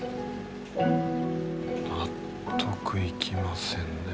納得いきませんね。